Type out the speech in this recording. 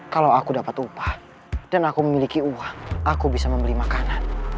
kalau aku dapat upah dan aku memiliki uang aku bisa membeli makanan